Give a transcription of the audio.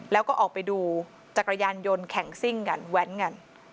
แล้วก็ออกไปดูจักรยานยนต์แข่งซิ่งกันแว้นกัน